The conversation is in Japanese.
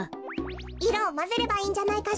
いろをまぜればいいんじゃないかしら。